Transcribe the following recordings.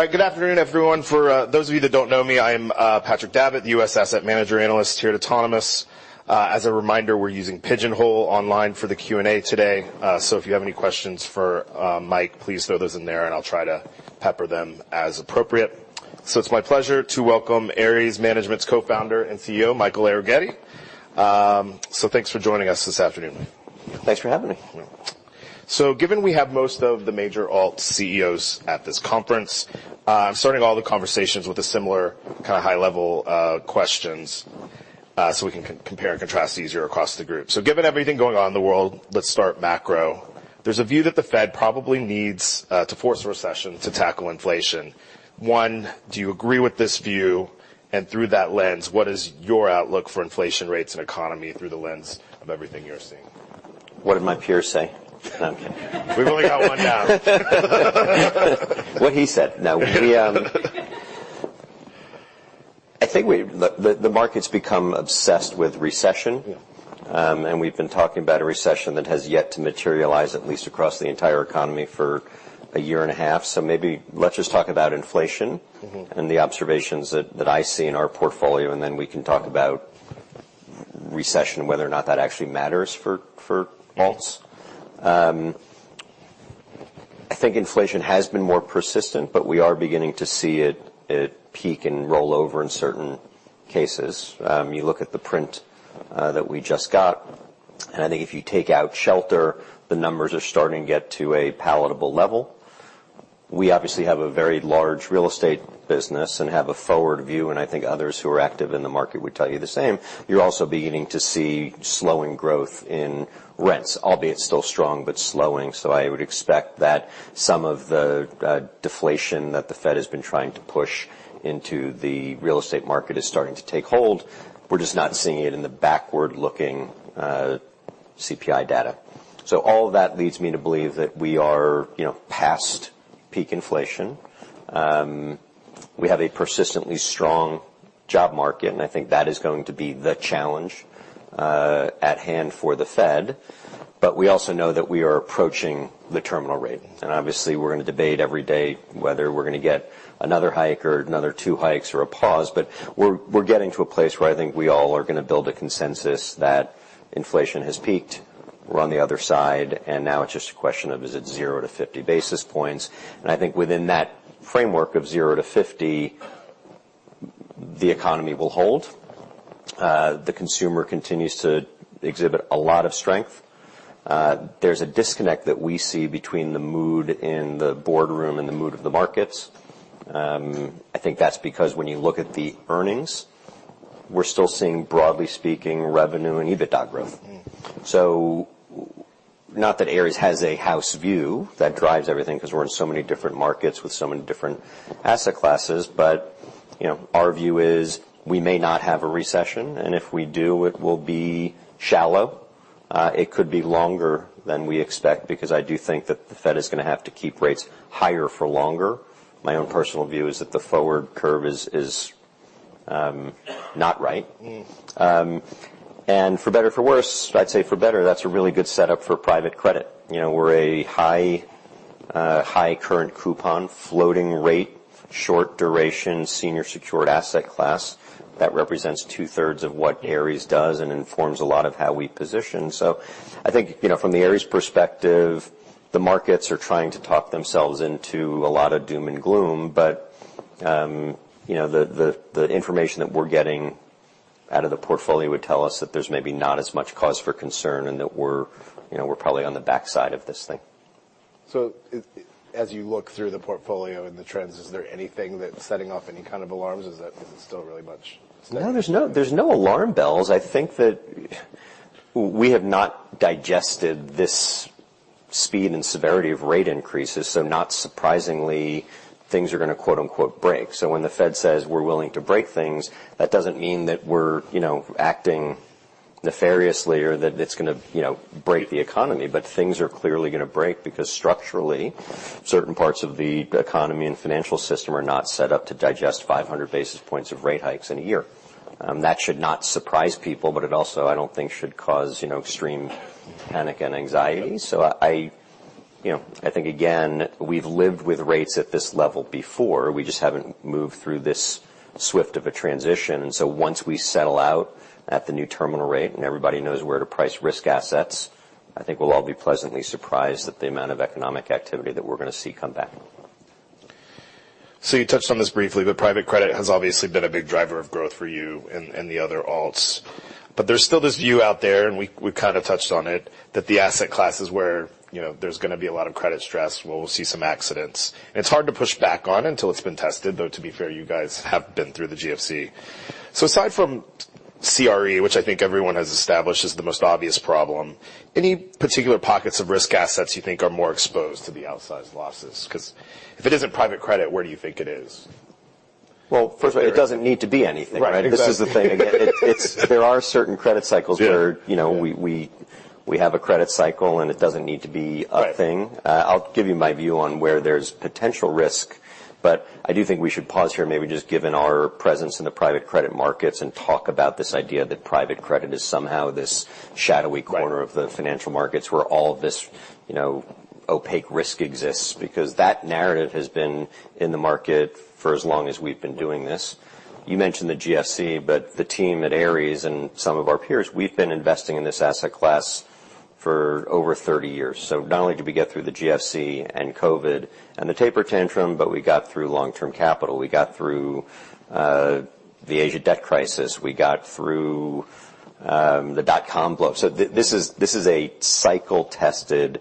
All right, good afternoon, everyone. For those of you that don't know me, I am Patrick Davitt, the US Asset Manager Analyst here at Autonomous. As a reminder, we're using Pigeonhole online for the Q&A today. If you have any questions for Mike, please throw those in there, and I'll try to pepper them as appropriate. It's my pleasure to welcome Ares Management's Co-Founder and CEO, Michael Arougheti. Thanks for joining us this afternoon. Thanks for having me. Given we have most of the major alt CEOs at this conference, I'm starting all the conversations with a similar kind of high level questions, so we can compare and contrast easier across the group. Given everything going on in the world, let's start macro. There's a view that the Fed probably needs to force a recession to tackle inflation. One, do you agree with this view? Through that lens, what is your outlook for inflation rates and economy through the lens of everything you're seeing? What did my peers say? I'm kidding. We've only got one down. What he said. I think the market's become obsessed with recession. Yeah. We've been talking about a recession that has yet to materialize, at least across the entire economy, for a year and a half. Maybe let's just talk about inflation. Mm-hmm... and the observations that I see in our portfolio, and then we can talk about recession and whether or not that actually matters for alts. I think inflation has been more persistent, but we are beginning to see it peak and roll over in certain cases. You look at the print that we just got. I think if you take out shelter, the numbers are starting to get to a palatable level. We obviously have a very large real estate business and have a forward view, and I think others who are active in the market would tell you the same. You're also beginning to see slowing growth in rents, albeit still strong, but slowing. I would expect that some of the deflation that the Fed has been trying to push into the real estate market is starting to take hold. We're just not seeing it in the backward-looking CPI data. All of that leads me to believe that we are, you know, past peak inflation. We have a persistently strong job market, and I think that is going to be the challenge at hand for the Fed. We also know that we are approaching the terminal rate, and obviously, we're going to debate every day whether we're gonna get another hike or another 2 hikes or a pause. We're getting to a place where I think we all are gonna build a consensus that inflation has peaked. We're on the other side, now it's just a question of, is it 0 to 50 basis points? I think within that framework of 0 to 50, the economy will hold. The consumer continues to exhibit a lot of strength. There's a disconnect that we see between the mood in the boardroom and the mood of the markets. I think that's because when you look at the earnings, we're still seeing, broadly speaking, revenue and EBITDA growth. Mm-hmm. Not that Ares has a house view that drives everything, 'cause we're in so many different markets with so many different asset classes. You know, our view is we may not have a recession, and if we do, it will be shallow. It could be longer than we expect because I do think that the Fed is gonna have to keep rates higher for longer. My own personal view is that the forward curve is not right. Mm. For better or for worse, I'd say for better, that's a really good setup for private credit. You know, we're a high, high current coupon, floating rate, short duration, senior secured asset class. That represents two-thirds of what Ares does and informs a lot of how we position. I think, you know, from the Ares perspective, the markets are trying to talk themselves into a lot of doom and gloom. The information that we're getting out of the portfolio would tell us that there's maybe not as much cause for concern and that we're, you know, we're probably on the backside of this thing. As you look through the portfolio and the trends, is there anything that's setting off any kind of alarms? Is it still really much? No, there's no alarm bells. I think that we have not digested this speed and severity of rate increases, so not surprisingly, things are gonna, quote-unquote, "break." When the Fed says, "We're willing to break things," that doesn't mean that we're, you know, acting nefariously or that it's gonna, you know, break the economy. Things are clearly gonna break because structurally, certain parts of the economy and financial system are not set up to digest 500 basis points of rate hikes in a year. That should not surprise people, but it also, I don't think, should cause, you know, extreme panic and anxiety. Yeah. I, you know, I think, again, we've lived with rates at this level before. We just haven't moved through this swift of a transition. Once we settle out at the new terminal rate and everybody knows where to price risk assets, I think we'll all be pleasantly surprised at the amount of economic activity that we're gonna see come back. You touched on this briefly, but private credit has obviously been a big driver of growth for you and the other alts. There's still this view out there, and we kind of touched on it, that the asset classes where, you know, there's going to be a lot of credit stress, where we'll see some accidents. It's hard to push back on until it's been tested, though, to be fair, you guys have been through the GFC. Aside from CRE, which I think everyone has established is the most obvious problem, any particular pockets of risk assets you think are more exposed to the outsized losses? If it isn't private credit, where do you think it is? Well, first of all, it doesn't need to be anything, right? Right, exactly. This is the thing. Again, it's there are certain credit cycles- Yeah... where, you know, we have a credit cycle. It doesn't need to be a thing. Right. I'll give you my view on where there's potential risk, but I do think we should pause here, maybe just given our presence in the private credit markets, and talk about this idea that private credit is somehow this shadowy corner. Right... of the financial markets, where all of this opaque risk exists, because that narrative has been in the market for as long as we've been doing this. You mentioned the GFC, but the team at Ares and some of our peers, we've been investing in this asset class for over 30 years. Not only did we get through the GFC and COVID, and the taper tantrum, but we got through long-term capital. We got through the Asia debt crisis. We got through the dot-com blow. This is a cycle-tested,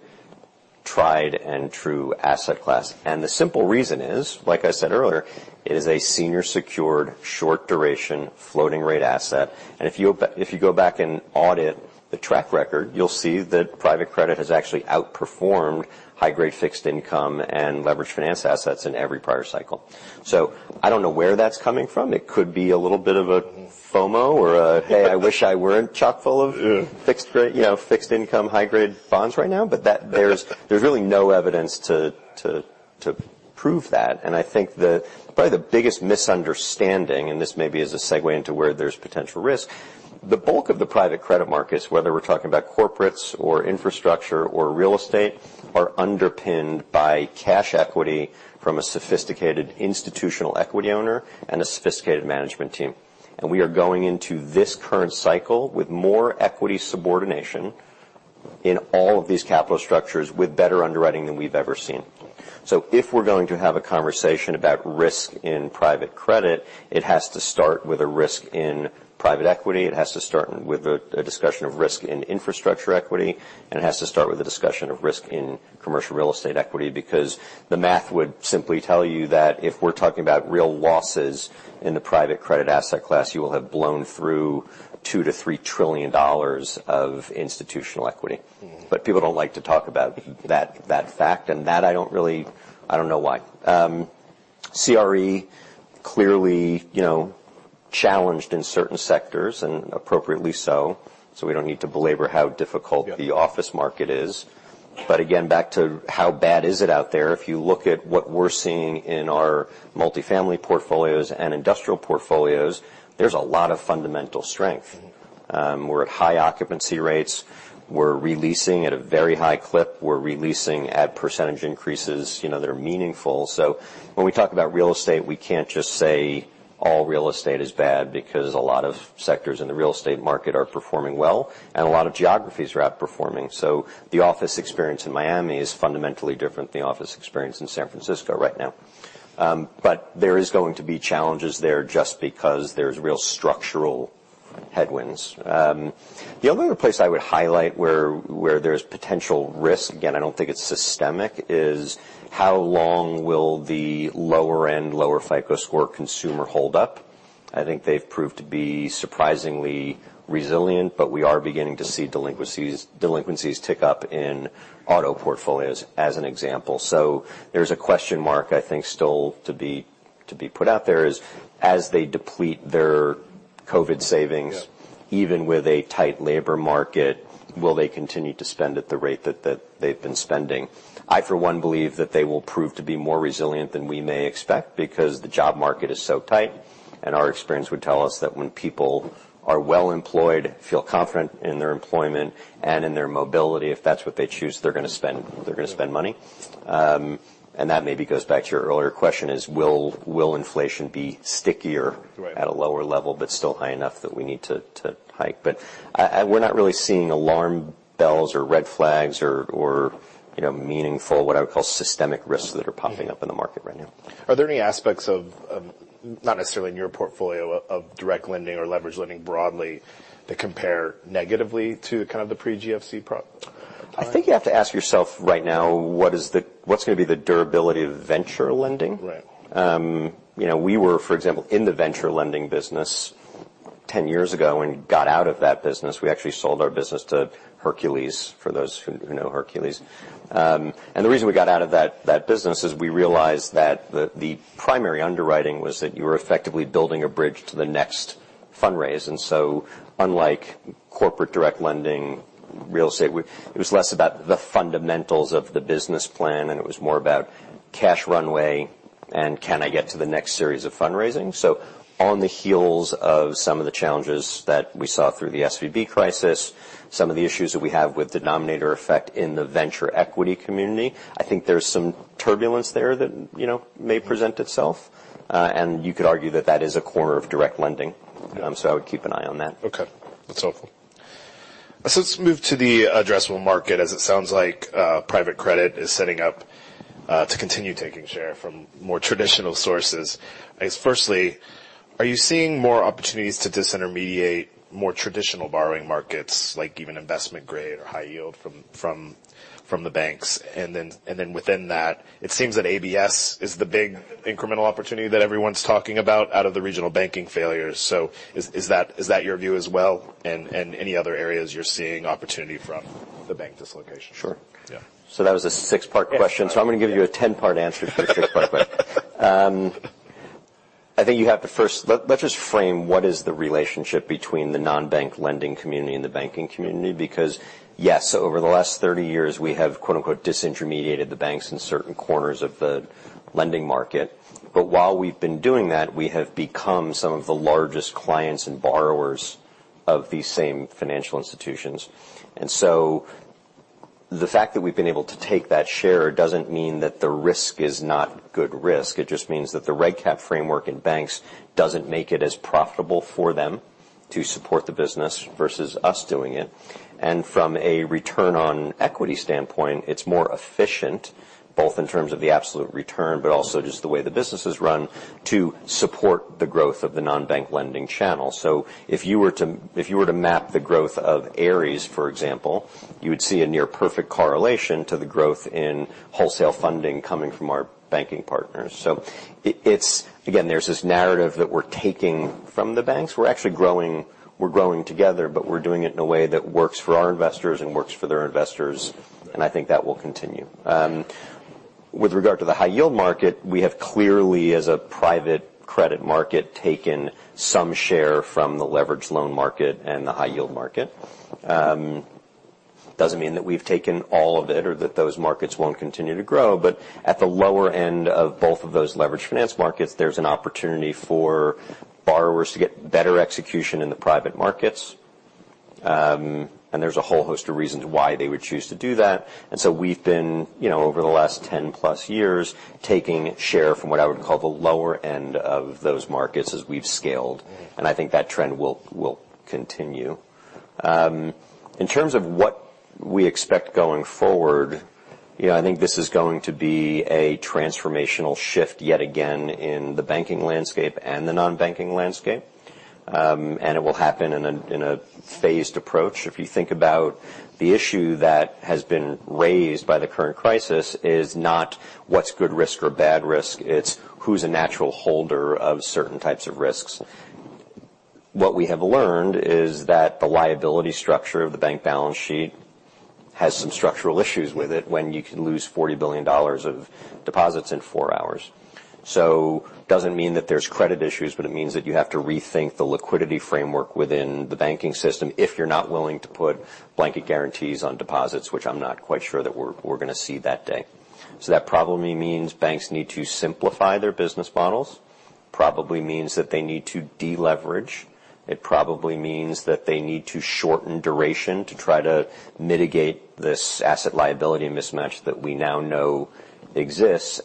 tried and true asset class. The simple reason is, like I said earlier, it is a senior secured, short duration, floating rate asset. If you go back and audit the track record, you'll see that private credit has actually outperformed high-grade fixed income and leveraged finance assets in every prior cycle. I don't know where that's coming from. It could be a little bit of a FOMO or a, "Hey, I wish I weren't chock-full of. Yeah fixed grade, you know, fixed income, high-grade bonds right now." There's really no evidence to prove that. I think that probably the biggest misunderstanding, and this may be as a segue into where there's potential risk. The bulk of the private credit markets, whether we're talking about corporates or infrastructure or real estate, are underpinned by cash equity from a sophisticated institutional equity owner and a sophisticated management team. We are going into this current cycle with more equity subordination in all of these capital structures with better underwriting than we've ever seen. If we're going to have a conversation about risk in private credit, it has to start with a risk in private equity. It has to start with a discussion of risk in infrastructure equity, and it has to start with a discussion of risk in commercial real estate equity, because the math would simply tell you that if we're talking about real losses in the private credit asset class, you will have blown through $2 trillion-$3 trillion of institutional equity. Mm-hmm. People don't like to talk about that fact, and that I don't know why. CRE, clearly, you know, challenged in certain sectors, and appropriately so. We don't need to belabor how difficult- Yeah the office market is. Again, back to how bad is it out there? If you look at what we're seeing in our multifamily portfolios and industrial portfolios, there's a lot of fundamental strength. Mm-hmm. We're at high occupancy rates. We're releasing at a very high clip. We're releasing at percentage increases, you know, that are meaningful. When we talk about real estate, we can't just say all real estate is bad, because a lot of sectors in the real estate market are performing well, and a lot of geographies are outperforming. The office experience in Miami is fundamentally different than the office experience in San Francisco right now. There is going to be challenges there just because there's real structural headwinds. The only other place I would highlight where there's potential risk, again, I don't think it's systemic, is how long will the lower-end, lower FICO score consumer hold up? I think they've proved to be surprisingly resilient, but we are beginning to see delinquencies tick up in auto portfolios as an example. There's a question mark, I think, still to be put out there, is as they deplete their COVID savings. Yeah... even with a tight labor market, will they continue to spend at the rate that they've been spending? I, for one, believe that they will prove to be more resilient than we may expect because the job market is so tight. Our experience would tell us that when people are well-employed, feel confident in their employment and in their mobility, if that's what they choose, they're gonna spend money. That maybe goes back to your earlier question, is will inflation be stickier... Right... at a lower level, but still high enough that we need to hike? We're not really seeing alarm bells or red flags or, you know, meaningful, what I would call systemic risks that are popping up in the market right now. Are there any aspects of, not necessarily in your portfolio, of direct lending or leverage lending broadly, that compare negatively to kind of the pre-GFC product? I think you have to ask yourself right now, what's going to be the durability of venture lending? Right. You know, we were, for example, in the venture lending business 10 years ago, and got out of that business. We actually sold our business to Hercules, for those who know Hercules. The reason we got out of that business is we realized that the primary underwriting was that you were effectively building a bridge to the next fundraise. Unlike corporate direct lending, real estate, it was less about the fundamentals of the business plan, and it was more about cash runway, and can I get to the next series of fundraising? On the heels of some of the challenges that we saw through the SVB crisis, some of the issues that we have with denominator effect in the venture equity community, I think there's some turbulence there that, you know, may present itself. You could argue that that is a corner of direct lending. Yeah. I would keep an eye on that. Okay. That's helpful. Let's move to the addressable market, as it sounds like, private credit is setting up to continue taking share from more traditional sources. I guess, firstly, are you seeing more opportunities to disintermediate more traditional borrowing markets, like even investment grade or high yield from the banks? Then within that, it seems that ABS is the big incremental opportunity that everyone's talking about out of the regional banking failures. Is that your view as well? Any other areas you're seeing opportunity from the bank dislocation? Sure. Yeah. That was a six-part question. Yeah. I'm going to give you a 10-part answer to a 6-part question. I think you have to first. Let's just frame what is the relationship between the non-bank lending community and the banking community? Yes, over the last 30 years, we have, quote, unquote, "disintermediated" the banks in certain corners of the lending market. While we've been doing that, we have become some of the largest clients and borrowers of these same financial institutions. The fact that we've been able to take that share doesn't mean that the risk is not good risk. It just means that the reg cap framework in banks doesn't make it as profitable for them to support the business versus us doing it. From a return on equity standpoint, it's more efficient, both in terms of the absolute return, but also just the way the business is run, to support the growth of the non-bank lending channel. If you were to, if you were to map the growth of Ares, for example, you would see a near perfect correlation to the growth in wholesale funding coming from our banking partners. It's again, there's this narrative that we're taking from the banks. We're actually growing together, but we're doing it in a way that works for our investors and works for their investors, and I think that will continue. With regard to the high yield market, we have clearly, as a private credit market, taken some share from the leveraged loan market and the high yield market. Doesn't mean that we've taken all of it or that those markets won't continue to grow, but at the lower end of both of those leveraged finance markets, there's an opportunity for borrowers to get better execution in the private markets. There's a whole host of reasons why they would choose to do that. We've been, you know, over the last 10+ years, taking share from what I would call the lower end of those markets as we've scaled, and I think that trend will continue. In terms of what we expect going forward, you know, I think this is going to be a transformational shift, yet again, in the banking landscape and the non-banking landscape. It will happen in a phased approach. If you think about the issue that has been raised by the current crisis, is not what's good risk or bad risk, it's who's a natural holder of certain types of risks. What we have learned is that the liability structure of the bank balance sheet has some structural issues with it when you can lose $40 billion of deposits in four hours. Doesn't mean that there's credit issues, but it means that you have to rethink the liquidity framework within the banking system, if you're not willing to put blanket guarantees on deposits, which I'm not quite sure that we're going to see that day. That probably means banks need to simplify their business models. Probably means that they need to deleverage. It probably means that they need to shorten duration to try to mitigate this asset liability mismatch that we now know exists.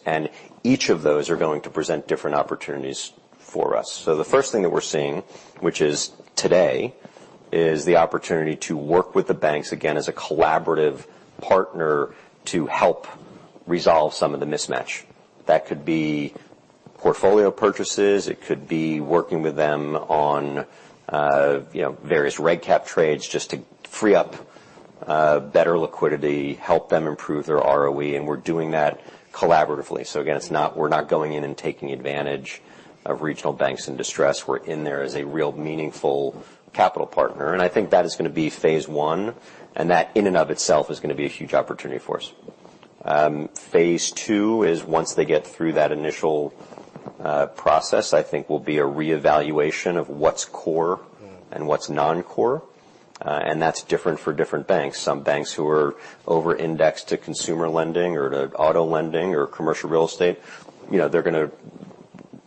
Each of those are going to present different opportunities for us. The first thing that we're seeing, which is today, is the opportunity to work with the banks, again, as a collaborative partner, to help resolve some of the mismatch. That could be portfolio purchases, it could be working with them on, you know, various reg cap trades just to free up better liquidity, help them improve their ROE. We're doing that collaboratively. Again, we're not going in and taking advantage of regional banks in distress. We're in there as a real, meaningful capital partner. I think that is gonna be phase one. That, in and of itself, is gonna be a huge opportunity for us. phase two is once they get through that initial process, I think will be a reevaluation of what's core Mm. What's non-core, and that's different for different banks. Some banks who are over-indexed to consumer lending or to auto lending or commercial real estate, you know, they're gonna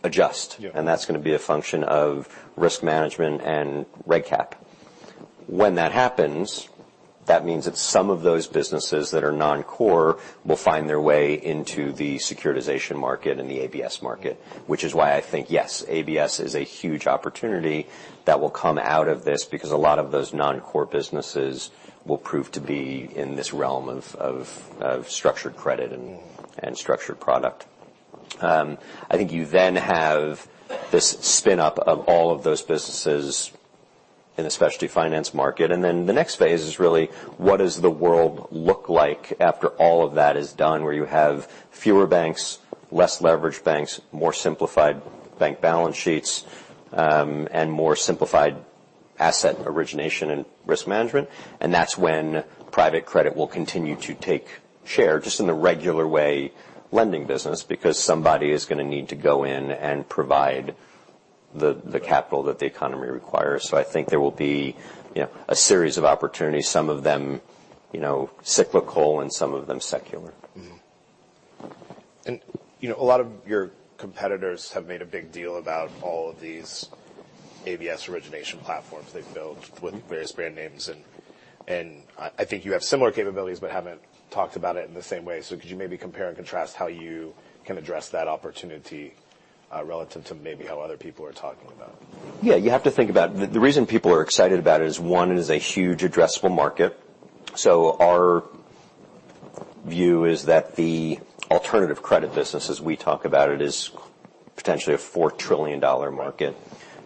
adjust. Yeah. That's gonna be a function of risk management and reg cap. When that happens, that means that some of those businesses that are non-core will find their way into the securitization market and the ABS market. I think, yes, ABS is a huge opportunity that will come out of this, because a lot of those non-core businesses will prove to be in this realm of structured credit and. Mm... and structured product. I think you have this spin up of all of those businesses in a specialty finance market. The next phase is really, what does the world look like after all of that is done? Where you have fewer banks, less leveraged banks, more simplified bank balance sheets, and more simplified asset origination and risk management. That's when private credit will continue to take share, just in the regular way, lending business, because somebody is gonna need to go in and provide the Right capital that the economy requires. I think there will be, you know, a series of opportunities, some of them, you know, cyclical and some of them secular. Mm-hmm. You know, a lot of your competitors have made a big deal about all of these ABS origination platforms they've built- Mm... with various brand names, and I think you have similar capabilities, but haven't talked about it in the same way. Could you maybe compare and contrast how you can address that opportunity relative to maybe how other people are talking about it? Yeah, you have to think the reason people are excited about it is, one, it is a huge addressable market. Our view is that the alternative credit business, as we talk about it, is potentially a $4 trillion market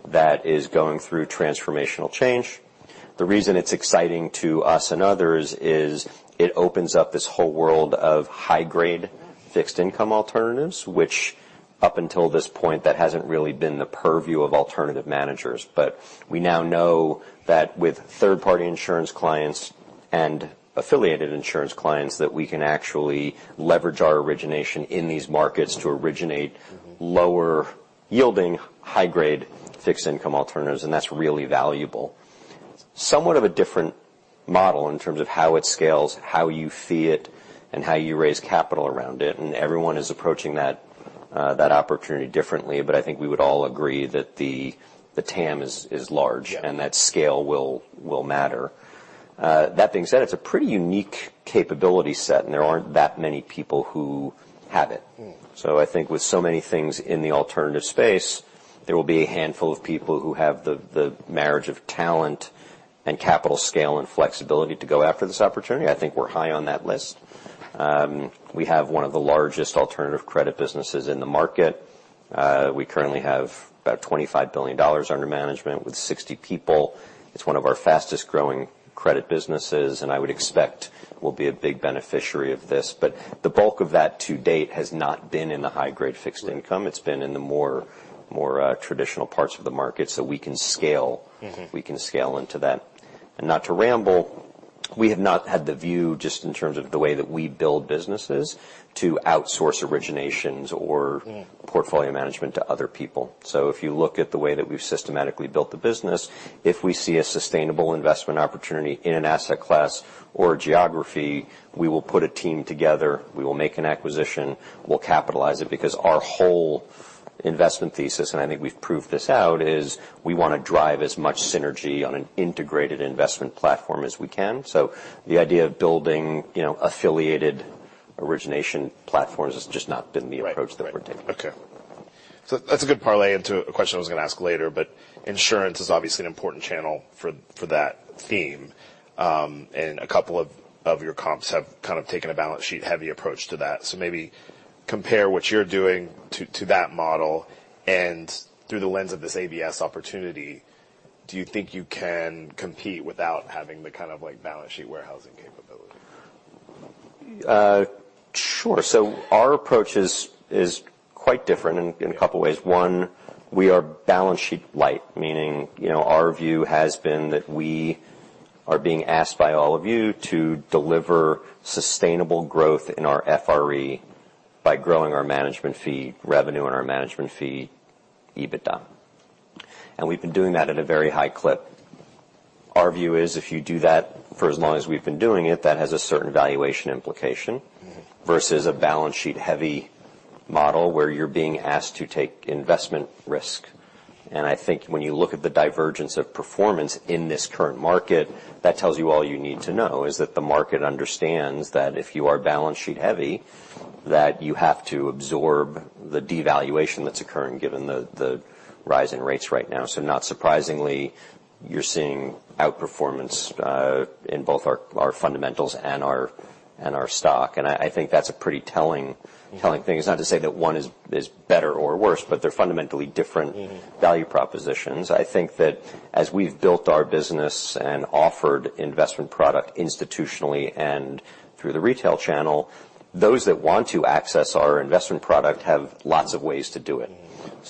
that is going through transformational change. The reason it's exciting to us and others is, it opens up this whole world of high-grade-. Mm... fixed income alternatives, which up until this point, that hasn't really been the purview of alternative managers. We now know that with third-party insurance clients and affiliated insurance clients, that we can actually leverage our origination in these markets to originate... Mm-hmm... lower yielding, high-grade fixed income alternatives, and that's really valuable. Somewhat of a different model in terms of how it scales, how you fee it, and how you raise capital around it, and everyone is approaching that opportunity differently. But I think we would all agree that the TAM is large- Yeah. That scale will matter. That being said, it's a pretty unique capability set, and there aren't that many people who have it. Mm. I think with so many things in the alternative space, there will be a handful of people who have the marriage of talent and capital scale and flexibility to go after this opportunity. I think we're high on that list. We have one of the largest alternative credit businesses in the market. We currently have about $25 billion under management with 60 people. It's one of our fastest-growing credit businesses, and I would expect we'll be a big beneficiary of this. The bulk of that, to date, has not been in the high-grade fixed income. Right. It's been in the more traditional parts of the market, so we can scale. Mm-hmm. We can scale into that. Not to ramble, we have not had the view, just in terms of the way that we build businesses, to outsource originations or-. Mm... portfolio management to other people. If you look at the way that we've systematically built the business, if we see a sustainable investment opportunity in an asset class or geography, we will put a team together, we will make an acquisition, we'll capitalize it. Our whole investment thesis, and I think we've proved this out, is we wanna drive as much synergy on an integrated investment platform as we can. The idea of building, you know, affiliated origination platforms has just not been the approach. Right. Right. that we're taking. That's a good parlay into a question I was gonna ask later, but insurance is obviously an important channel for that theme. A couple of your comps have kind of taken a balance sheet-heavy approach to that. Maybe compare what you're doing to that model, and through the lens of this ABS opportunity, do you think you can compete without having the kind of, like, balance sheet warehousing capability? Sure. Our approach is quite different in a couple ways. Yeah. One, we are balance sheet light, meaning, you know, our view has been that we are being asked by all of you to deliver sustainable growth in our FRE by growing our management fee revenue and our management fee EBITDA. We've been doing that at a very high clip. Our view is, if you do that for as long as we've been doing it, that has a certain valuation implication. Mm-hmm... versus a balance sheet-heavy model, where you're being asked to take investment risk. I think when you look at the divergence of performance in this current market, that tells you all you need to know, is that the market understands that if you are balance sheet heavy, that you have to absorb the devaluation that's occurring, given the rise in rates right now. Not surprisingly, you're seeing outperformance in both our fundamentals and our stock, and I think that's a pretty telling thing. Mm. It's not to say that one is better or worse, but they're fundamentally different. Mm-hmm... value propositions. I think that as we've built our business and offered investment product institutionally and through the retail channel, those that want to access our investment product have lots of ways to do it.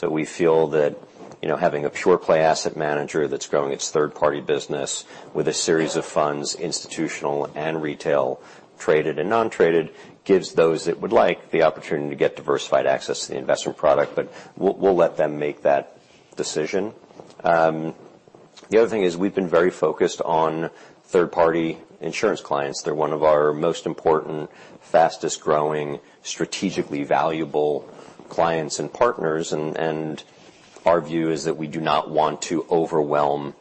Mm. We feel that, you know, having a pure-play asset manager that's growing its third-party business with a series of funds, institutional and retail, traded and non-traded, gives those that would like, the opportunity to get diversified access to the investment product. We'll let them make that decision. The other thing is we've been very focused on third-party insurance clients. They're one of our most important, fastest-growing, strategically valuable clients and partners, and our view is that we do not want to overwhelm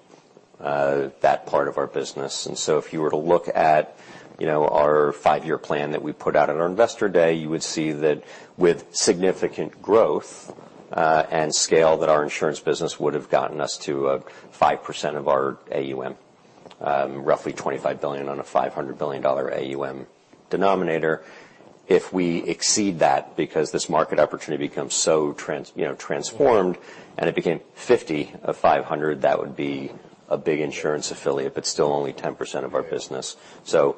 that part of our business. If you were to look at, you know, our five-year plan that we put out at our Investor Day, you would see that with significant growth and scale, that our insurance business would've gotten us to 5% of our AUM. Roughly $25 billion on a $500 billion AUM denominator. If we exceed that because this market opportunity becomes so you know, transformed. Yeah it became 50 of 500, that would be a big insurance affiliate, but still only 10% of our business. Right.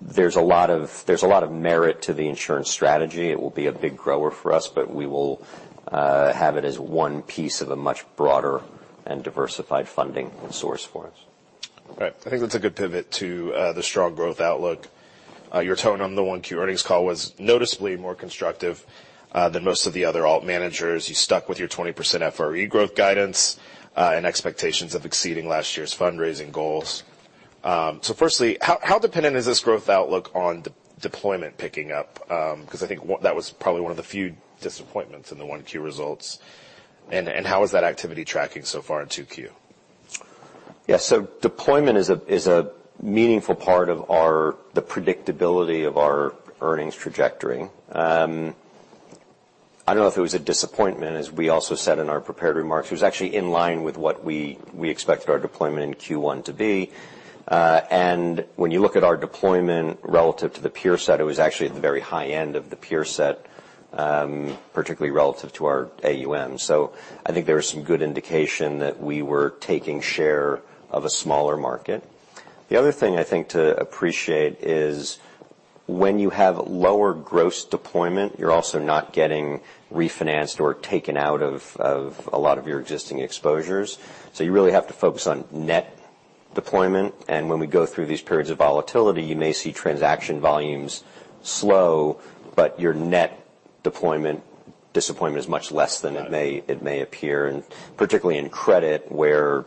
There's a lot of merit to the insurance strategy. It will be a big grower for us, but we will have it as one piece of a much broader and diversified funding and source for us. Right. I think that's a good pivot to the strong growth outlook. Your tone on the 1Q earnings call was noticeably more constructive than most of the other alt managers. You stuck with your 20% FRE growth guidance and expectations of exceeding last year's fundraising goals. Firstly, how dependent is this growth outlook on deployment picking up? 'Cause I think that was probably one of the few disappointments in the 1Q results. How is that activity tracking so far in 2Q? Deployment is a meaningful part of our... the predictability of our earnings trajectory. I don't know if it was a disappointment, as we also said in our prepared remarks. It was actually in line with what we expected our deployment in Q1 to be. When you look at our deployment relative to the peer set, it was actually at the very high end of the peer set, particularly relative to our AUM. I think there was some good indication that we were taking share of a smaller market. The other thing I think to appreciate is, when you have lower gross deployment, you're also not getting refinanced or taken out of a lot of your existing exposures, so you really have to focus on net deployment. When we go through these periods of volatility, you may see transaction volumes slow, but your net disappointment is much less than it may appear, and particularly in credit, where,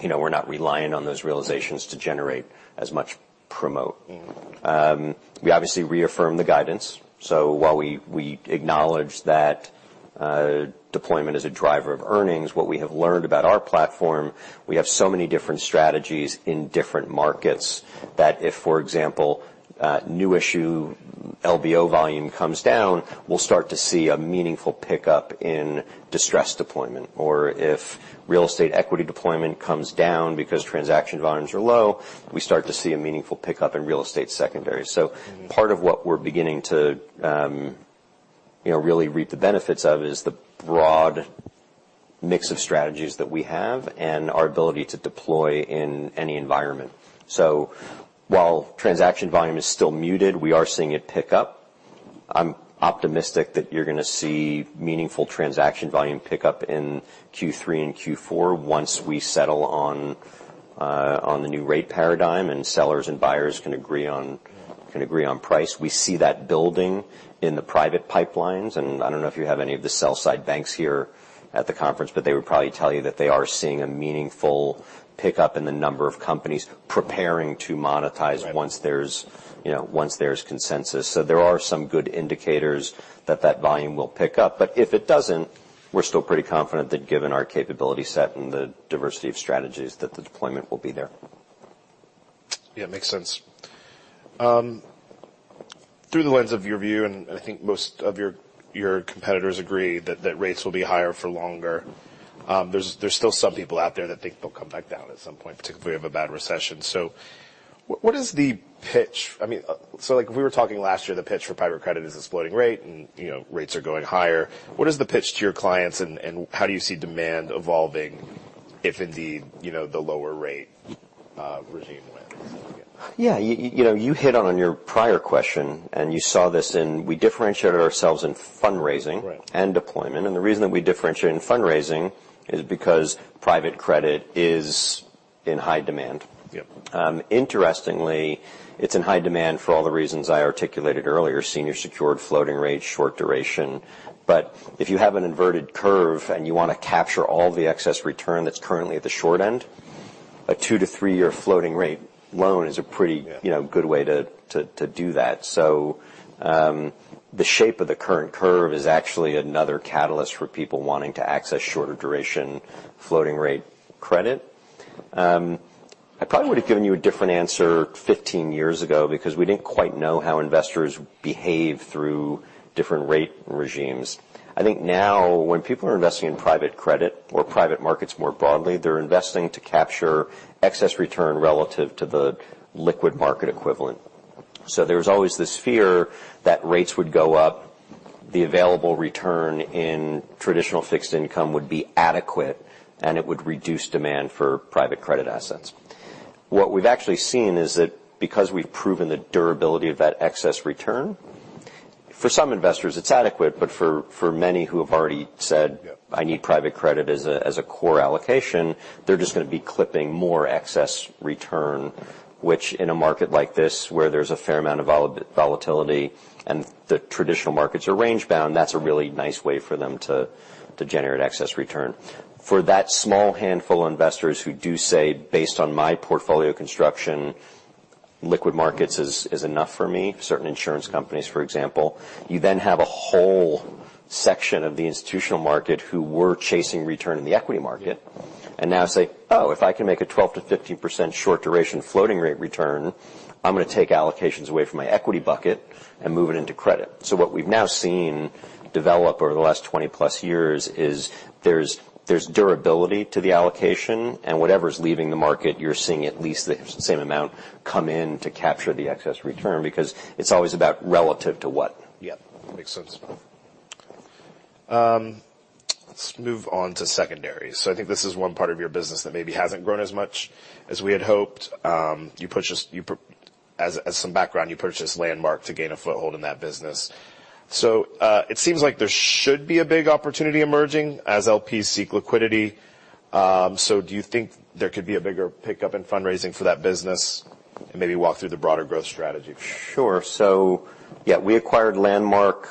you know, we're not reliant on those realizations to generate as much promote. Mm-hmm. We obviously reaffirm the guidance. While we acknowledge that, deployment is a driver of earnings, what we have learned about our platform, we have so many different strategies in different markets, that if, for example, new issue LBO volume comes down, we'll start to see a meaningful pickup in distress deployment. If real estate equity deployment comes down because transaction volumes are low, we start to see a meaningful pickup in real estate secondary. Mm-hmm. Part of what we're beginning to, you know, really reap the benefits of, is the broad mix of strategies that we have and our ability to deploy in any environment. While transaction volume is still muted, we are seeing it pick up. I'm optimistic that you're going to see meaningful transaction volume pick up in Q3 and Q4 once we settle on the new rate paradigm, and sellers and buyers can agree. Mm-hmm. can agree on price. We see that building in the private pipelines, I don't know if you have any of the sell side banks here at the conference, they would probably tell you that they are seeing a meaningful pickup in the number of companies preparing to monetize. Right... once there's, you know, once there's consensus. There are some good indicators that that volume will pick up. If it doesn't, we're still pretty confident that given our capability set and the diversity of strategies, that the deployment will be there. Yeah, makes sense. Through the lens of your view, and I think most of your competitors agree, that rates will be higher for longer, there's still some people out there that think they'll come back down at some point, particularly if we have a bad recession. What is the pitch? I mean, like we were talking last year, the pitch for private credit is this floating rate and, you know, rates are going higher. What is the pitch to your clients, and how do you see demand evolving, if indeed, you know, the lower rate regime wins again? Yeah. You know, you hit on in your prior question. We differentiate ourselves in fundraising. Right... and deployment. The reason that we differentiate in fundraising is because private credit is in high demand. Yep. Interestingly, it's in high demand for all the reasons I articulated earlier: senior secured, floating rate, short duration. If you have an inverted curve and you want to capture all the excess return that's currently at the short end, a 2-3-year floating rate loan is. Yeah... you know, good way to do that. The shape of the current curve is actually another catalyst for people wanting to access shorter duration floating rate credit. I probably would have given you a different answer 15 years ago, because we didn't quite know how investors behaved through different rate regimes. I think now, when people are investing in private credit or private markets, more broadly, they're investing to capture excess return relative to the liquid market equivalent. There's always this fear that rates would go up, the available return in traditional fixed income would be adequate, and it would reduce demand for private credit assets. What we've actually seen is that because we've proven the durability of that excess return, for some investors, it's adequate, but for many who have already said- Yep... "I need private credit as a core allocation," they're just going to be clipping more excess return. Which in a market like this, where there's a fair amount of volatility, and the traditional markets are range-bound, that's a really nice way for them to generate excess return. For that small handful of investors who do say, "Based on my portfolio construction, liquid markets is enough for me," certain insurance companies, for example, you then have a whole section of the institutional market who were chasing return in the equity market. Mm-hmm Now say, "Oh, if I can make a 12%-15% short-duration floating rate return, I'm going to take allocations away from my equity bucket and move it into credit." What we've now seen develop over the last 20-plus years is there's durability to the allocation, and whatever's leaving the market, you're seeing at least the same amount come in to capture the excess return, because it's always about relative to what? Yep, makes sense. Let's move on to secondaries. I think this is one part of your business that maybe hasn't grown as much as we had hoped. As some background, you purchased Landmark to gain a foothold in that business. It seems like there should be a big opportunity emerging as LPs seek liquidity. Do you think there could be a bigger pickup in fundraising for that business? Maybe walk through the broader growth strategy. Sure. Yeah, we acquired Landmark,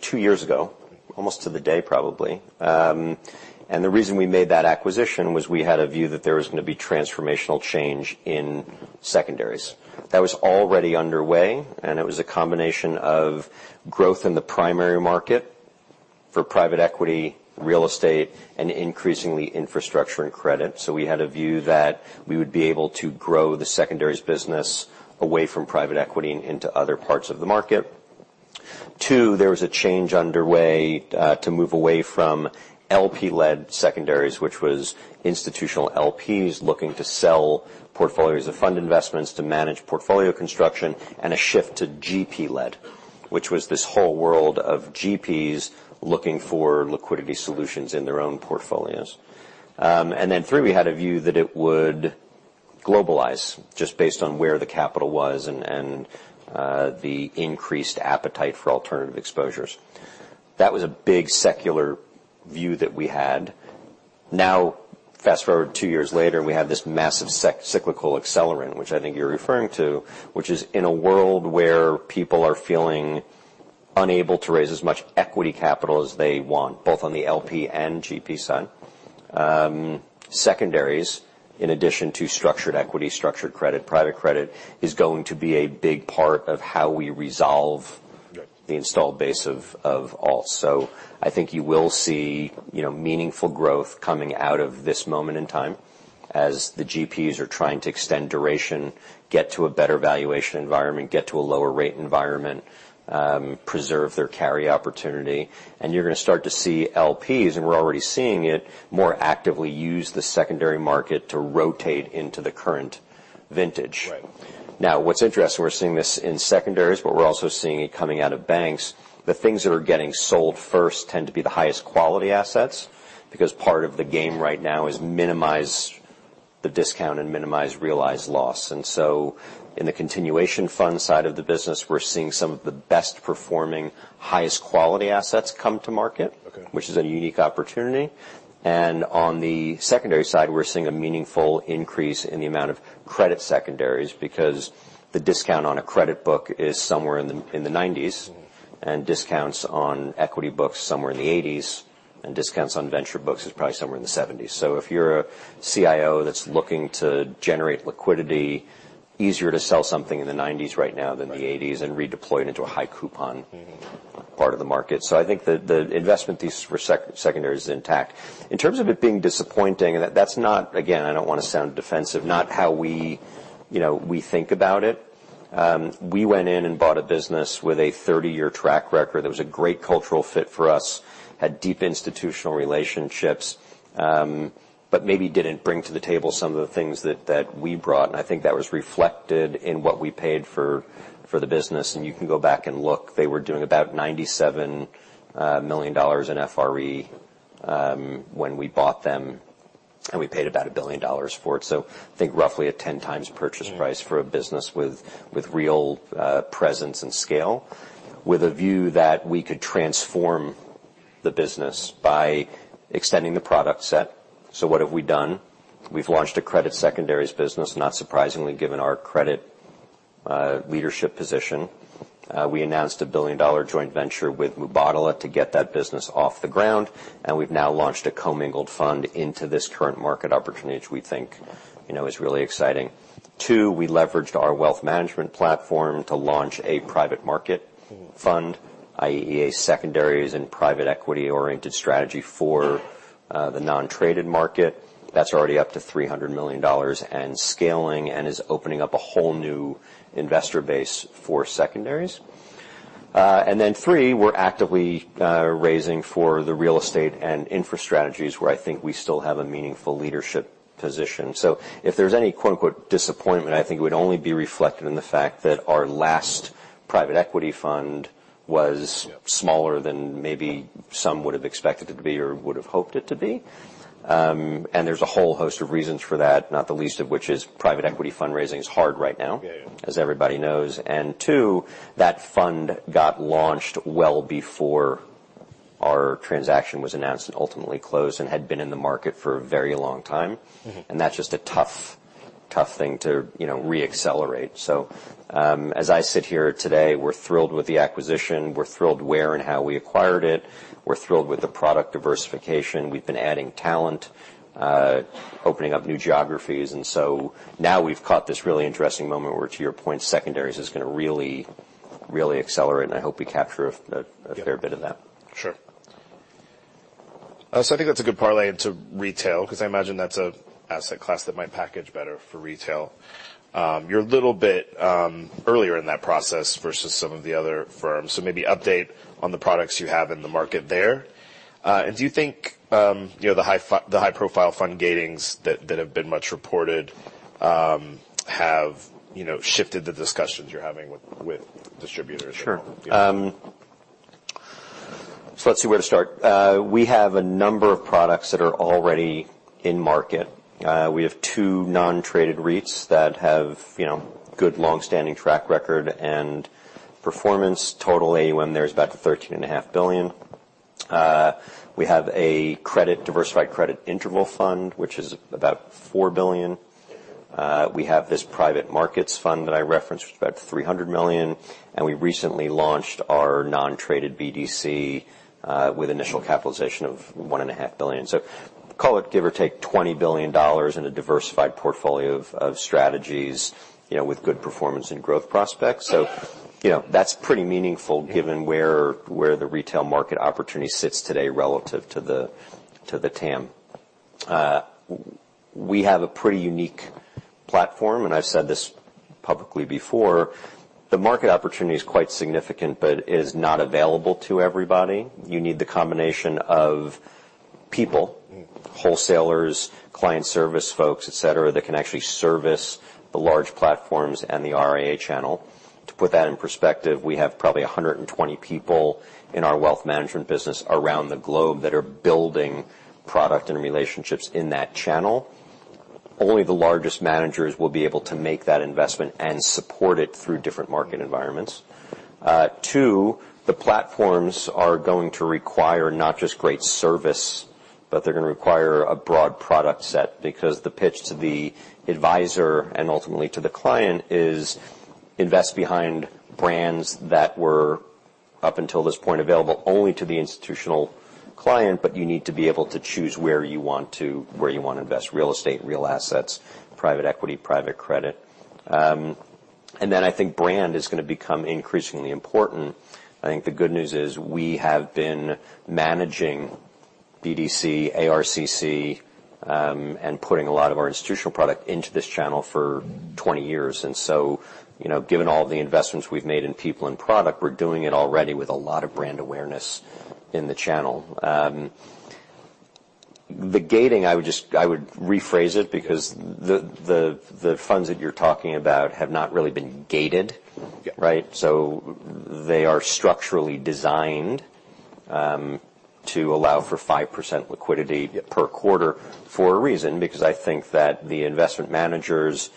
2 years ago, almost to the day, probably. The reason we made that acquisition was we had a view that there was going to be transformational change in secondaries. That was already underway, and it was a combination of growth in the primary market for private equity, real estate, and increasingly infrastructure and credit. We had a view that we would be able to grow the secondaries business away from private equity and into other parts of the market. Two, there was a change underway, to move away from LP-led secondaries, which was institutional LPs looking to sell portfolios of fund investments to manage portfolio construction, and a shift to GP-led, which was this whole world of GPs looking for liquidity solutions in their own portfolios. Then three, we had a view that it would globalize just based on where the capital was and the increased appetite for alternative exposures. That was a big secular view that we had. Fast-forward two years later, we have this massive cyclical accelerant, which I think you're referring to, which is in a world where people are feeling unable to raise as much equity capital as they want, both on the LP and GP side. Secondaries, in addition to structured equity, structured credit, private credit, is going to be a big part of how we resolve- Right -the installed base of all. I think you will see, you know, meaningful growth coming out of this moment in time, as the GPs are trying to extend duration, get to a better valuation environment, get to a lower rate environment, preserve their carry opportunity. You're gonna start to see LPs, and we're already seeing it, more actively use the secondary market to rotate into the current vintage. Right. What's interesting, we're seeing this in secondaries, but we're also seeing it coming out of banks. The things that are getting sold first tend to be the highest quality assets, because part of the game right now is minimize the discount and minimize realized loss. In the continuation fund side of the business, we're seeing some of the best performing, highest quality assets come to market. Okay... which is a unique opportunity. On the secondary side, we're seeing a meaningful increase in the amount of credit secondaries, because the discount on a credit book is somewhere in the, in the nineties, and discounts on equity books somewhere in the eighties, and discounts on venture books is probably somewhere in the seventies. If you're a CIO that's looking to generate liquidity, easier to sell something in the nineties right now than the eighties, and redeploy it into a high coupon- Mm-hmm -part of the market. I think the investment thesis for secondaries is intact. In terms of it being disappointing, and that's not. Again, I don't want to sound defensive, not how we, you know, we think about it. We went in and bought a business with a 30-year track record, that was a great cultural fit for us, had deep institutional relationships, but maybe didn't bring to the table some of the things that we brought, and I think that was reflected in what we paid for the business. You can go back and look, they were doing about $97 million in FRE when we bought them, and we paid about $1 billion for it. I think roughly a 10 times purchase price. Mm for a business with real presence and scale, with a view that we could transform the business by extending the product set. What have we done? We've launched a credit secondaries business, not surprisingly, given our credit leadership position. We announced a billion-dollar joint venture with Mubadala to get that business off the ground, and we've now launched a commingled fund into this current market opportunity, which we think, you know, is really exciting. Two, we leveraged our wealth management platform to launch a private market fund, i.e., secondaries and private equity-oriented strategy for the non-traded market. That's already up to $300 million and scaling, and is opening up a whole new investor base for secondaries. Three, we're actively raising for the real estate and infra strategies, where I think we still have a meaningful leadership position. If there's any, quote, unquote, "disappointment," I think it would only be reflected in the fact that our last private equity fund was. Yeah... smaller than maybe some would have expected it to be or would have hoped it to be. There's a whole host of reasons for that, not the least of which is private equity fundraising is hard right now- Yeah as everybody knows. Two, that fund got launched well before our transaction was announced and ultimately closed, and had been in the market for a very long time. Mm-hmm. That's just a tough thing to, you know, re-accelerate. As I sit here today, we're thrilled with the acquisition, we're thrilled where and how we acquired it, we're thrilled with the product diversification. We've been adding talent, opening up new geographies. Now we've caught this really interesting moment where, to your point, secondaries is gonna really accelerate, and I hope we capture a fair bit of that. Sure. I think that's a good parlay into retail, 'cause I imagine that's an asset class that might package better for retail. You're a little bit earlier in that process versus some of the other firms. Maybe update on the products you have in the market there. Do you think, you know, the high-profile fund gatings that have been much reported, have, you know, shifted the discussions you're having with distributors? Sure. Let's see, where to start? We have a number of products that are already in market. We have two non-traded REITs that have, you know, good, long-standing track record and performance. Total AUM there is about thirteen and a half billion. We have a credit-diversified credit interval fund, which is about $4 billion. We have this private markets fund that I referenced, which is about $300 million, and we recently launched our non-traded BDC, with initial capitalization of one and a half billion. Call it, give or take, $20 billion in a diversified portfolio of strategies, you know, with good performance and growth prospects. You know, that's pretty meaningful, given where the retail market opportunity sits today relative to the TAM. We have a pretty unique platform, and I've said this publicly before: the market opportunity is quite significant, but it is not available to everybody. You need the combination of people- Mm... wholesalers, client service folks, et cetera, that can actually service the large platforms and the RIA channel. To put that in perspective, we have probably 120 people in our wealth management business around the globe that are building product and relationships in that channel. Only the largest managers will be able to make that investment and support it through different market environments. Two, the platforms are going to require not just great service, but they're gonna require a broad product set, because the pitch to the advisor, and ultimately to the client, is invest behind brands that were, up until this point, available only to the institutional client, but you need to be able to choose where you want to invest: real estate, real assets, private equity, private credit. Then I think brand is gonna become increasingly important. I think the good news is, we have been managing BDC, ARCC, and putting a lot of our institutional product into this channel for 20 years. You know, given all the investments we've made in people and product, we're doing it already with a lot of brand awareness in the channel. The gating, I would rephrase it, because the, the funds that you're talking about have not really been gated. Yeah. Right? They are structurally designed to allow for 5% liquidity per quarter for a reason. I think that the investment managers,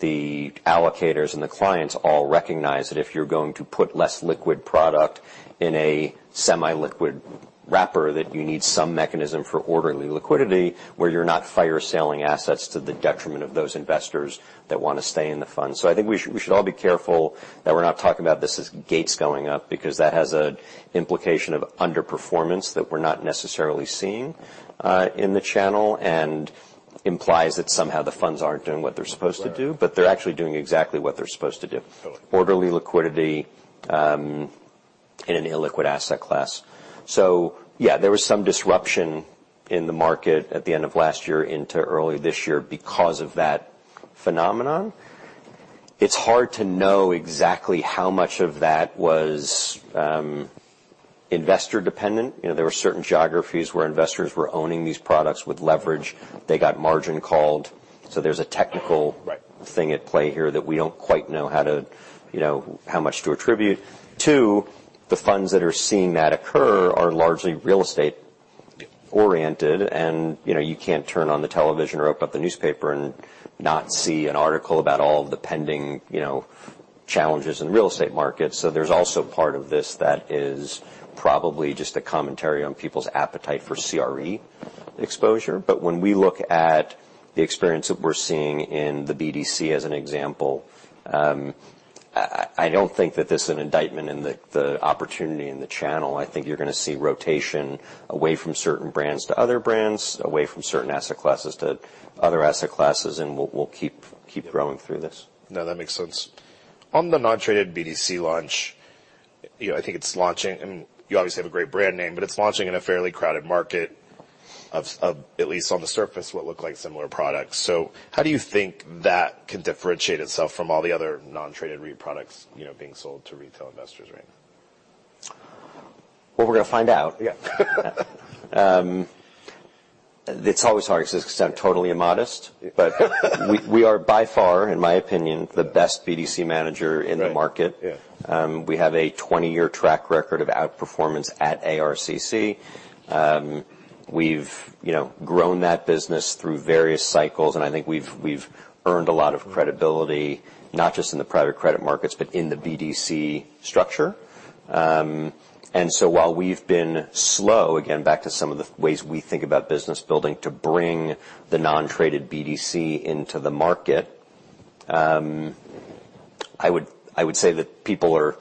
the allocators, and the clients all recognize that if you're going to put less liquid product in a semi-liquid wrapper, that you need some mechanism for orderly liquidity, where you're not fire-selling assets to the detriment of those investors that want to stay in the fund. I think we should all be careful that we're not talking about this as gates going up, because that has a implication of underperformance that we're not necessarily seeing in the channel, and implies that somehow the funds aren't doing what they're supposed to do. Right. They're actually doing exactly what they're supposed to do. Totally. Orderly liquidity, in an illiquid asset class. Yeah, there was some disruption in the market at the end of last year into early this year because of that phenomenon. It's hard to know exactly how much of that was investor dependent. You know, there were certain geographies where investors were owning these products with leverage. They got margin called, so there's a technical-. Right... thing at play here that we don't quite know how to, you know, how much to attribute. Two, the funds that are seeing that occur are largely real estate-oriented, and, you know, you can't turn on the television or open up the newspaper and not see an article about all the pending, you know, challenges in the real estate market. There's also part of this that is probably just a commentary on people's appetite for CRE exposure. When we look at the experience that we're seeing in the BDC, as an example, I don't think that this is an indictment in the opportunity in the channel. I think you're gonna see rotation away from certain brands to other brands, away from certain asset classes to other asset classes, and we'll keep growing through this. No, that makes sense. On the non-traded BDC launch, you know, I think it's launching... You obviously have a great brand name, but it's launching in a fairly crowded market of, at least on the surface, what look like similar products. How do you think that can differentiate itself from all the other non-traded REIT products, you know, being sold to retail investors right now? Well, we're gonna find out. Yeah. It's always hard, because I'm totally immodest. We are by far, in my opinion, the best BDC manager in the market. Right. Yeah. We have a 20-year track record of outperformance at ARCC. We've, you know, grown that business through various cycles, and I think we've earned a lot of credibility, not just in the private credit markets, but in the BDC structure. While we've been slow, again, back to some of the ways we think about business building, to bring the non-traded BDC into the market, I would say that people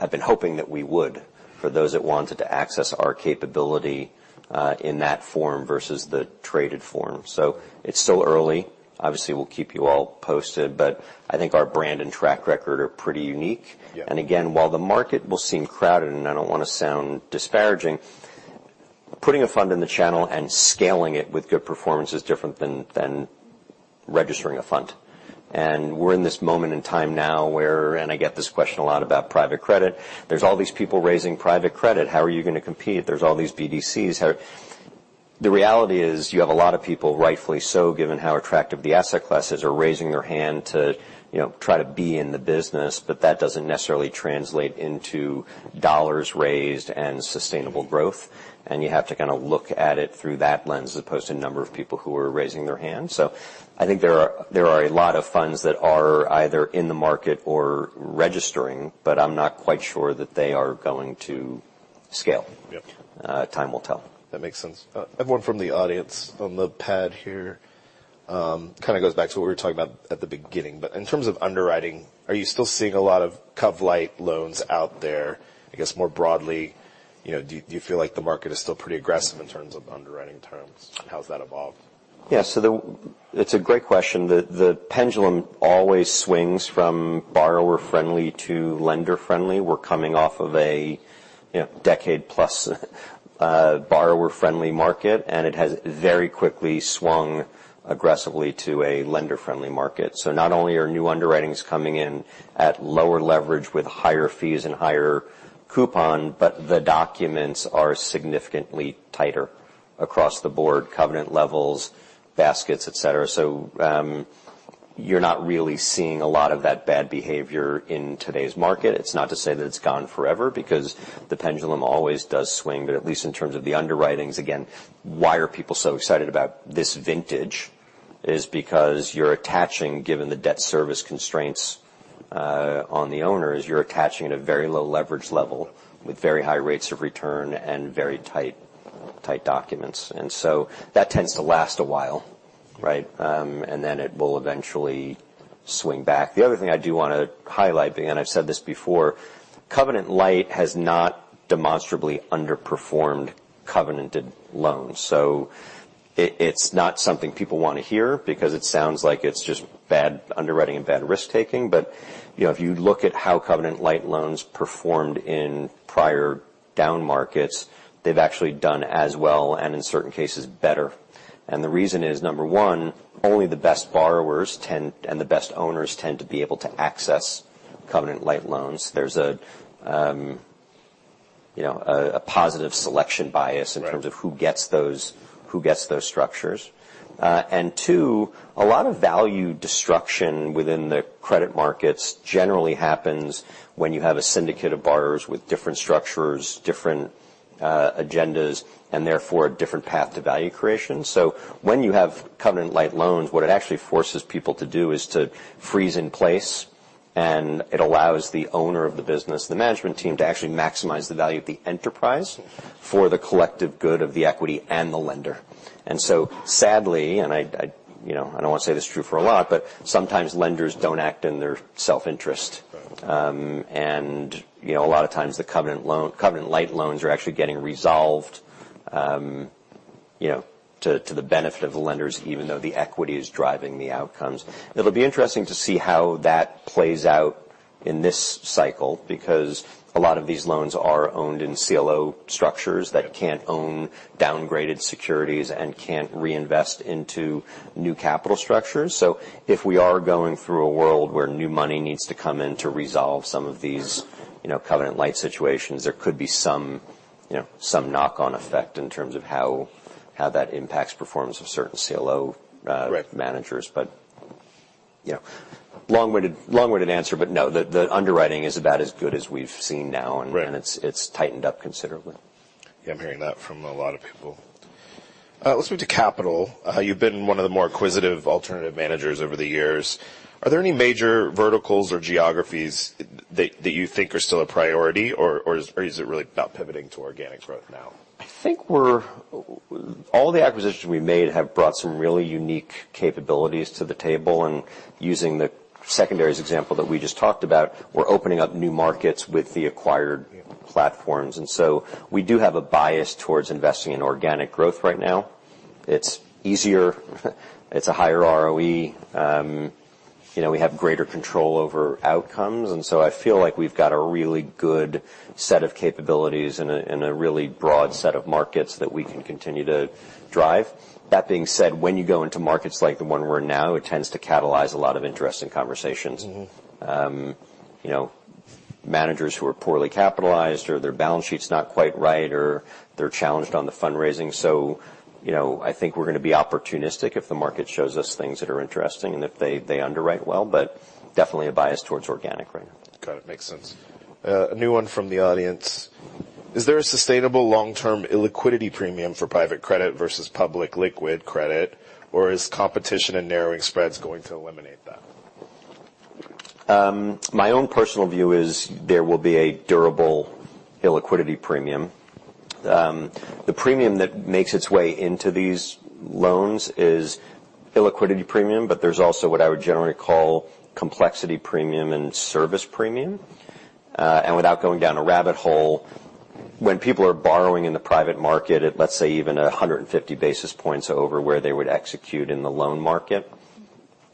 have been hoping that we would, for those that wanted to access our capability, in that form versus the traded form. It's still early. Obviously, we'll keep you all posted, I think our brand and track record are pretty unique. Yeah. Again, while the market will seem crowded, and I don't want to sound disparaging, putting a fund in the channel and scaling it with good performance is different than registering a fund. We're in this moment in time now where, I get this question a lot about private credit, "There's all these people raising private credit. How are you gonna compete? There's all these BDCs." The reality is, you have a lot of people, rightfully so, given how attractive the asset class is, are raising their hand to, you know, try to be in the business, but that doesn't necessarily translate into $ raised and sustainable growth, and you have to kind of look at it through that lens, as opposed to the number of people who are raising their hands. I think there are a lot of funds that are either in the market or registering, but I'm not quite sure that they are going to scale. Yeah. Time will tell. That makes sense. I have one from the audience on the pad here. Kind of goes back to what we were talking about at the beginning, but in terms of underwriting, are you still seeing a lot of cov-lite loans out there? I guess, more broadly, you know, do you feel like the market is still pretty aggressive in terms of underwriting terms, and how has that evolved? It's a great question. The pendulum always swings from borrower-friendly to lender-friendly. We're coming off of a, you know, decade-plus, borrower-friendly market, and it has very quickly swung aggressively to a lender-friendly market. Not only are new underwritings coming in at lower leverage with higher fees and higher coupon, but the documents are significantly tighter across the board, covenant levels, baskets, et cetera. You're not really seeing a lot of that bad behavior in today's market. It's not to say that it's gone forever, because the pendulum always does swing. At least in terms of the underwritings, again, why are people so excited about this vintage? Is because you're attaching, given the debt service constraints, on the owners, you're attaching at a very low leverage level, with very high rates of return and very tight documents. That tends to last a while, right? It will eventually swing back. The other thing I do wanna highlight, again, I've said this before, Covenant-lite has not demonstrably underperformed covenanted loans. It, it's not something people wanna hear, because it sounds like it's just bad underwriting and bad risk-taking. You know, if you look at how Covenant-lite loans performed in prior down markets, they've actually done as well, and in certain cases, better. The reason is, number one, only the best borrowers and the best owners tend to be able to access Covenant-lite loans. There's a, you know, a positive selection bias. Right in terms of who gets those structures. Two, a lot of value destruction within the credit markets generally happens when you have a syndicate of borrowers with different structures, different agendas, and therefore, a different path to value creation. When you have covenant-lite loans, what it actually forces people to do is to freeze in place, and it allows the owner of the business, the management team, to actually maximize the value of the enterprise for the collective good of the equity and the lender. Sadly, I, you know, I don't want to say this is true for a lot, but sometimes lenders don't act in their self-interest. Right. You know, a lot of times, the covenant-lite loans are actually getting resolved, you know, to the benefit of the lenders, even though the equity is driving the outcomes. It'll be interesting to see how that plays out in this cycle, because a lot of these loans are owned in CLO structures. Yeah... that can't own downgraded securities and can't reinvest into new capital structures. If we are going through a world where new money needs to come in to resolve some of these, you know, covenant-lite situations, there could be some, you know, some knock-on effect in terms of how that impacts performance of certain CLO. Right... managers. You know, long-winded answer, but no, the underwriting is about as good as we've seen now. Right. It's tightened up considerably. Yeah, I'm hearing that from a lot of people. Let's move to capital. You've been one of the more acquisitive alternative managers over the years. Are there any major verticals or geographies that you think are still a priority, or is it really about pivoting to organic growth now? I think all the acquisitions we made have brought some really unique capabilities to the table, and using the secondaries example that we just talked about, we're opening up new markets with the acquired-. Yeah... platforms. We do have a bias towards investing in organic growth right now. It's easier, it's a higher ROE. You know, we have greater control over outcomes. I feel like we've got a really good set of capabilities and a really broad set of markets that we can continue to drive. That being said, when you go into markets like the one we're in now, it tends to catalyze a lot of interesting conversations. Mm-hmm. you know, managers who are poorly capitalized, or their balance sheet's not quite right, or they're challenged on the fundraising. you know, I think we're gonna be opportunistic if the market shows us things that are interesting and if they underwrite well, but definitely a bias towards organic right now. Got it. Makes sense. A new one from the audience: "Is there a sustainable long-term illiquidity premium for private credit versus public liquid credit, or is competition and narrowing spreads going to eliminate that? My own personal view is there will be a durable illiquidity premium. The premium that makes its way into these loans is illiquidity premium, but there's also what I would generally call complexity premium and service premium. Without going down a rabbit hole, when people are borrowing in the private market at, let's say, even 150 basis points over where they would execute in the loan market.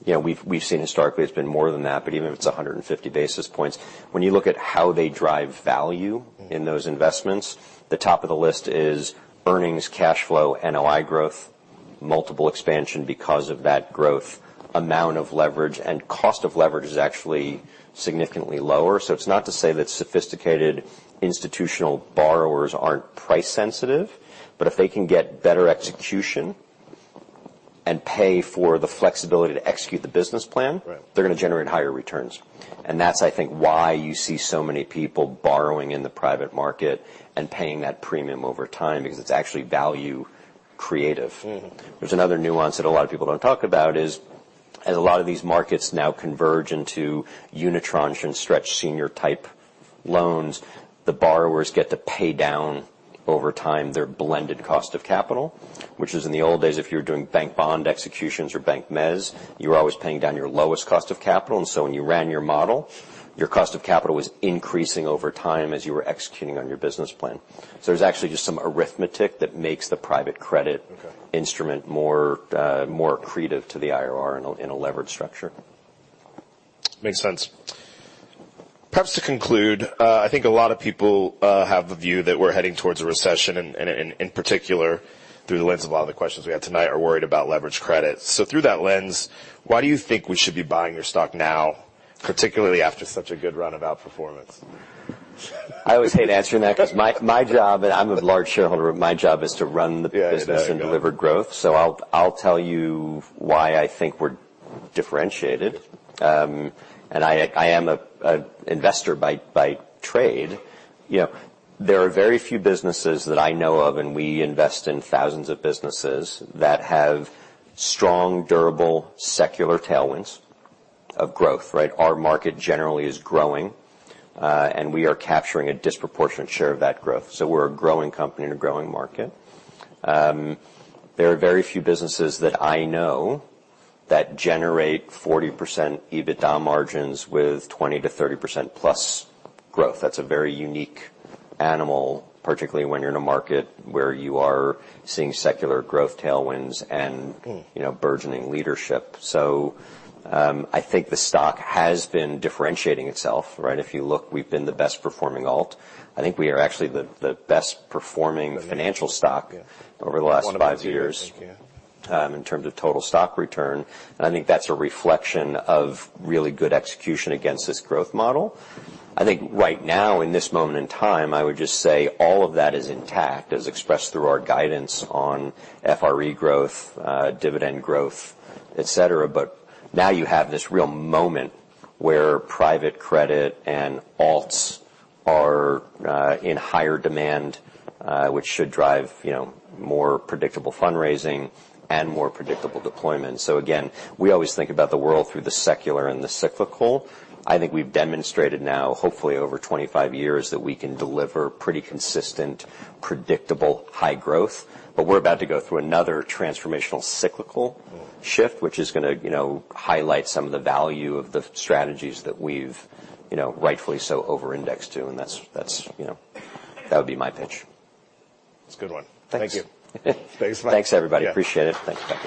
You know, we've seen historically, it's been more than that, but even if it's 150 basis points, when you look at how they drive value. Mm-hmm in those investments, the top of the list is earnings, cash flow, NOI growth, multiple expansion because of that growth, amount of leverage, and cost of leverage is actually significantly lower. It's not to say that sophisticated institutional borrowers aren't price-sensitive. If they can get better execution and pay for the flexibility to execute the business plan, Right... they're gonna generate higher returns. That's, I think, why you see so many people borrowing in the private market and paying that premium over time, because it's actually value creative. Mm-hmm. There's another nuance that a lot of people don't talk about is, as a lot of these markets now converge into unitranche and stretch senior type loans, the borrowers get to pay down over time their blended cost of capital. Which is, in the old days, if you were doing bank bond executions or bank mezz, you were always paying down your lowest cost of capital. When you ran your model, your cost of capital was increasing over time as you were executing on your business plan. There's actually just some arithmetic that makes the private credit- Okay... instrument more, more accretive to the IRR in a leveraged structure. Makes sense. Perhaps to conclude, I think a lot of people have the view that we're heading towards a recession, and in particular, through the lens of a lot of the questions we had tonight, are worried about leveraged credit. Through that lens, why do you think we should be buying your stock now? Particularly after such a good run of outperformance? I always hate answering that because my job, and I'm a large shareholder, my job is to run the business. Yeah, I know. and deliver growth. I'll tell you why I think we're differentiated. I am an investor by trade. You know, there are very few businesses that I know of, and we invest in thousands of businesses, that have strong, durable, secular tailwinds of growth, right? Our market generally is growing, and we are capturing a disproportionate share of that growth. We're a growing company in a growing market. There are very few businesses that I know that generate 40% EBITDA margins with 20%-30%+ growth. That's a very unique animal, particularly when you're in a market where you are seeing secular growth tailwinds and, you know, burgeoning leadership. I think the stock has been differentiating itself, right? If you look, we've been the best performing alt. I think we are actually the best performing financial stock. Yeah over the last five years. I think, yeah. in terms of total stock return. I think that's a reflection of really good execution against this growth model. I think right now, in this moment in time, I would just say all of that is intact, as expressed through our guidance on FRE growth, dividend growth, et cetera. Now you have this real moment where private credit and alts are in higher demand, which should drive, you know, more predictable fundraising and more predictable deployment. Again, we always think about the world through the secular and the cyclical. I think we've demonstrated now, hopefully over 25 years, that we can deliver pretty consistent, predictable, high growth. We're about to go through another transformational cyclical shift, which is gonna, you know, highlight some of the value of the strategies that we've, you know, rightfully so, over indexed to. That's, you know. That would be my pitch. It's a good one. Thanks. Thank you. Thanks. Thanks, everybody. Yeah. Appreciate it. Thanks, bye.